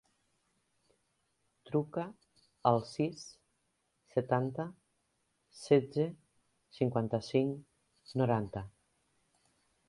Truca al sis, setanta, setze, cinquanta-cinc, noranta.